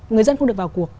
người dân không được vào cuộc